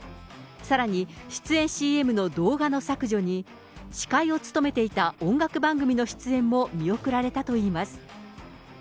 さらに出演ＣＭの動画の削除に、司会を務めていた音楽番組の出演も見送られたといいます。